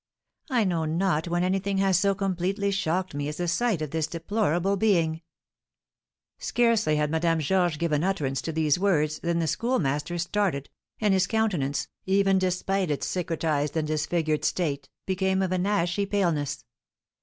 I know not when anything has so completely shocked me as the sight of this deplorable being." Scarcely had Madame Georges given utterance to these words than the Schoolmaster started, and his countenance, even despite its cicatrised and disfigured state, became of an ashy paleness.